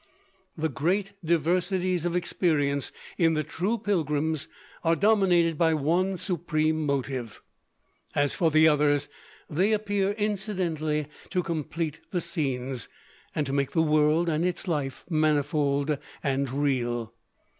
The great diversities of experience in the true pilgrims are dominated by one supreme motive. As for the others, they appear incidentally to complete the scenes, and make the world and its life manifold and real.